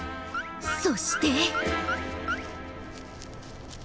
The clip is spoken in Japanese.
そして。